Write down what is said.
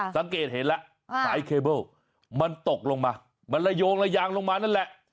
สังเกตเห็นแล้วสายเคเบิ้ลมันตกลงมามันระโยงระยางลงมานั่นแหละ